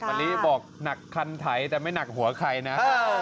มะลิบอกหนักคันไถแต่ไม่หนักหัวใครนะ